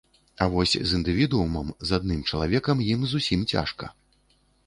А вось з індывідуумам, з адным чалавекам ім зусім цяжка.